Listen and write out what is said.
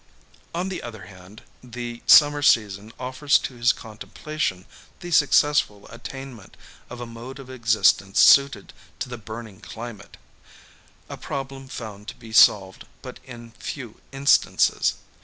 On the other hand, the summer season offers to his contemplation the successful attainment of a mode of existence suited to the burning climate; a problem found to be solved but in few instances.